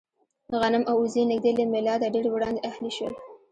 غنم او اوزې نږدې له مېلاده ډېر وړاندې اهلي شول.